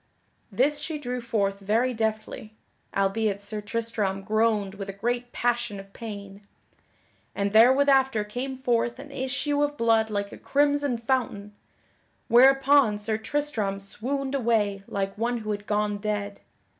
This she drew forth very deftly (albeit Sir Tristram groaned with a great passion of pain) and therewithafter came forth an issue of blood like a crimson fountain, whereupon Sir Tristram swooned away like one who had gone dead.